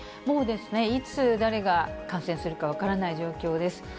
もうですね、いつ誰が感染するか分からない状況です。